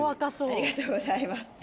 ありがとうございます。